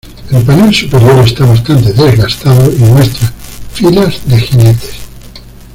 El panel superior está bastante desgastado y muestra filas de jinetes.